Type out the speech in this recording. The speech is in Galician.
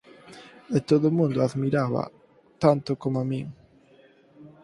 E todo o mundo a admiraba tanto coma min.